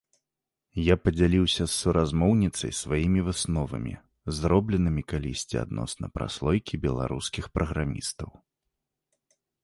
Я падзяліўся з суразмоўніцай сваімі высновамі, зробленымі калісьці адносна праслойкі беларускіх праграмістаў.